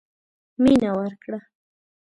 مينه ورکړه.